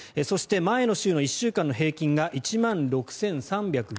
そして、前の週の１週間の平均が１万６３５０人。